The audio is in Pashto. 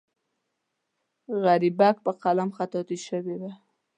غریبک په قلم خطاطي شوې وه.